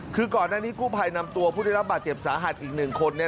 คือก่อนหน้านี้กู้ภัยนำตัวผู้ได้รับบาดเจ็บสาหัสอีก๑คน